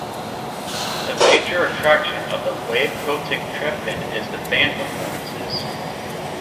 The major attraction of the Wave-Gotik Treffen is the band performances.